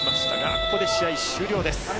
ここで試合終了です。